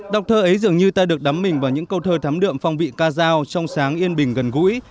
đọc thơ ấy dường như ta được đắm mình vào những câu thơ thắm đượm phong vị ca giao trong sáng yên bình gần gũi